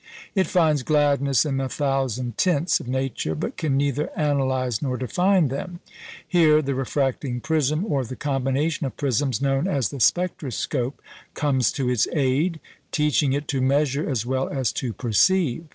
It finds gladness in the "thousand tints" of nature, but can neither analyse nor define them. Here the refracting prism or the combination of prisms known as the "spectroscope" comes to its aid, teaching it to measure as well as to perceive.